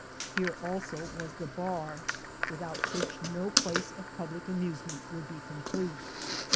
Here also was the bar, without which no place of public amusement would be complete.